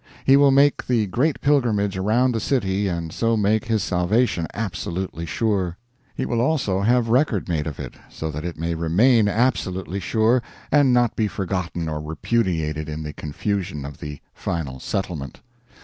He will make the Great Pilgrimage around the city and so make his salvation absolutely sure; he will also have record made of it, so that it may remain absolutely sure and not be forgotten or repudiated in the confusion of the Final Settlement.